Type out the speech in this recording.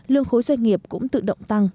lương khối doanh nghiệp cũng tự động tăng